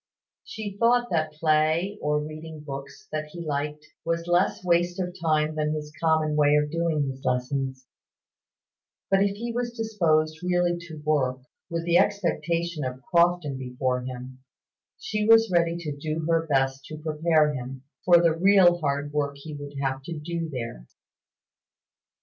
She thought that play, or reading books that he liked, was less waste of time than his common way of doing his lessons; but if he was disposed really to work, with the expectation of Crofton before him, she was ready to do her best to prepare him for the real hard work he would have to do there.